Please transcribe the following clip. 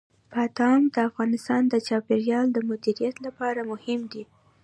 بادام د افغانستان د چاپیریال د مدیریت لپاره مهم دي.